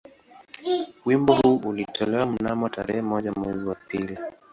Wimbo huu ulitolewa mnamo tarehe moja mwezi wa pili